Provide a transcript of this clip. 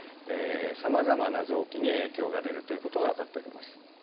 さまざまな臓器に影響が出るということが分かっております。